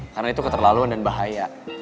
karena itu keterlaluan dan bahaya